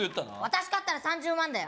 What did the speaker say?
私勝ったら３０万だよ